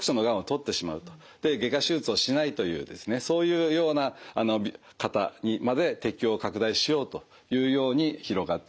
で外科手術をしないというですねそういうような方にまで適応を拡大しようというように広がってきてます。